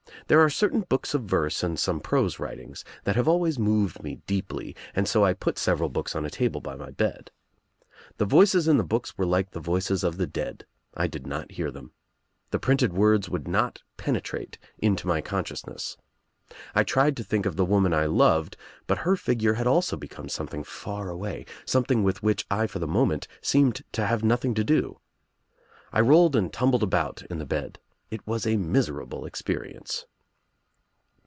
There are certain books of verse and some prose writings that have always moved me deeply, and so I put several books on a table by my bed. "The voices in the books were like the voices of the dead. I did not hear them. The printed words would not penetrate Into my consciousness. I tried to think of the woman I loved, but her figure had also become something far away, something with which I for the moment seemed to have nothing to do. I rolled and tumbled about in the bed. It was a miserable cx . perience.